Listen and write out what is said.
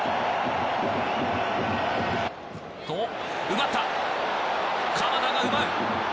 奪った鎌田が奪う。